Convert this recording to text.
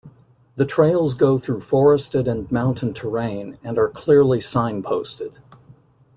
The trails go through forested and mountain terrain, and are clearly signposted.